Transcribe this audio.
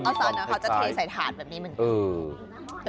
เอ้าเขาก็จะแบบนี้เป็นนะ